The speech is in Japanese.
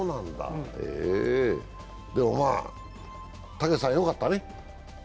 でも、武さんよかったね。